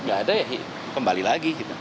gak ada ya kembali lagi